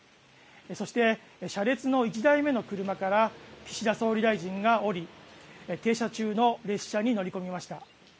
そして車列の１台目の車から岸田総理大臣が降り停車中の列車に乗り込みました。